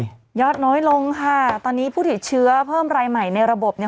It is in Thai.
ยอดน้อยลงค่ะตอนนี้ผู้ติดเชื้อเพิ่มรายใหม่ในระบบเนี่ย